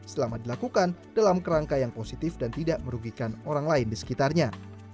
selama dilakukan dalam kerangka yang positif dan tidak merugikan orang lain di sekitarnya